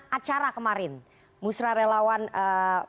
acara kemarin musra relawati